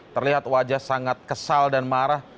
terlihat wajah sangat kesal dan marah